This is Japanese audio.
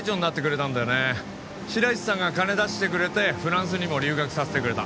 白石さんが金出してくれてフランスにも留学させてくれた。